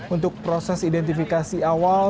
untuk proses identifikasi awal